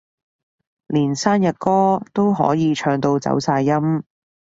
連生日歌都可以唱到走晒音